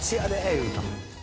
言うた。